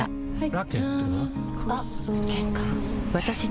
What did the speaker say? ラケットは？